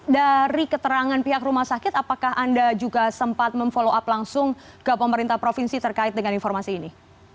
dari keterangan pihak rumah sakit apakah anda juga sempat memfollow up langsung ke pemerintah provinsi terkait dengan informasi ini